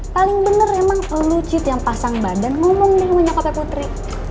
paling bener emang elu cit yang pasang badan ngomong deh sama nyokapnya putri